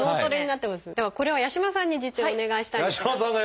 ではこれは八嶋さんに実演をお願いしたいんですが。